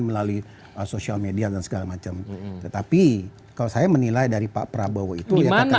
melalui sosial media dan segala macam tetapi kalau saya menilai dari pak prabowo itu